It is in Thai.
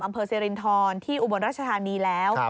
อำเภอเซรินทรที่อุบลรัชธานีแล้ว